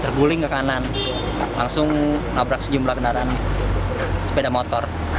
terguling ke kanan langsung nabrak sejumlah kendaraan sepeda motor